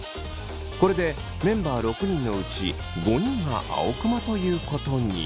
これでメンバー６人のうち５人が青クマということに。